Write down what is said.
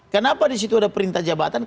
kenapa disitu ada perintah jabatan